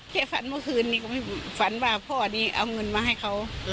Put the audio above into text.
แค่ฝันเมื่อคืนนี้ก็ไม่ฝันว่าพ่อนี้เอาเงินมาให้เขา